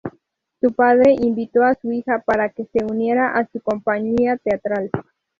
Su padre invitó a su hija para que se uniera a su compañía teatral.